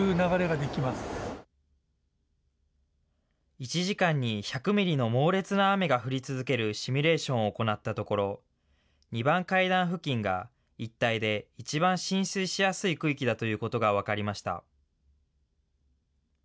１時間に１００ミリの猛烈な雨が降り続けるシミュレーションを行ったところ、２番階段付近が一帯で一番浸水しやすい区域だということが分かりました。